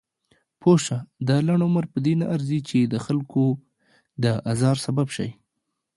پوهه شه! دا لنډ عمر پدې نه ارزي چې دخلکو د ازار سبب شئ.